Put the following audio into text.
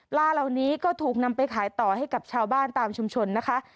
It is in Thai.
เหล่านี้ก็ถูกนำไปขายต่อให้กับชาวบ้านตามชุมชนนะคะ